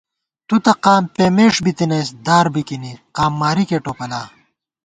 تُوتہ قام پېمېݭ بِتَنئیس، دار بِکِنی، قام مارِکےٹوپلا